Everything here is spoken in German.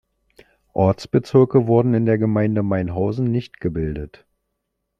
Ortsbezirke wurden in der Gemeinde Mainhausen nicht gebildet.